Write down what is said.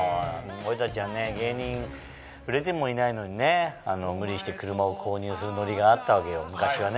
俺たちはね芸人売れてもいないのに無理して車を購入するノリがあったわけよ昔はね。